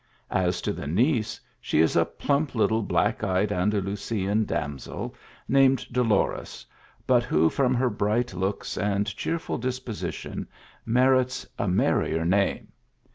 As to the niece, she is a plump little black eyed Andalusian . damsel named Dolores, but who from her bright looks and cheerful disposition merits a merrier name.